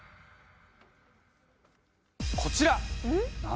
こちら！